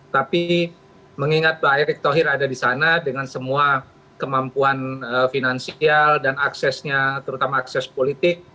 tapi mengingat pak erick thohir ada di sana dengan semua kemampuan finansial dan aksesnya terutama akses politik